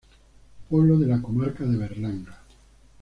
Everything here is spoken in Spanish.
Pueblo de la comarca de Berlanga.